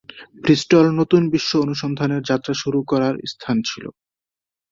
Bristol নতুন বিশ্ব অনুসন্ধানের যাত্রা শুরু করার স্থান ছিল।